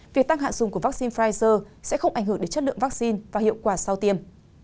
việc tăng hạn dùng của vắc xin pfizer sẽ không ảnh hưởng đến chất lượng vắc xin và hiệu quả sau tiêm